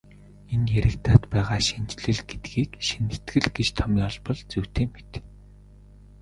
Энд яригдаад байгаа шинэчлэл гэдгийг шинэтгэл гэж томьёолбол зүйтэй мэт.